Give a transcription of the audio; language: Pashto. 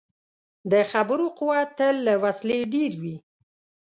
د خبرو قوت تل له وسلې ډېر وي.